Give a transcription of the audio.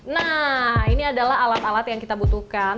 nah ini adalah alat alat yang kita butuhkan